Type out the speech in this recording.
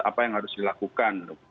apa yang harus dilakukan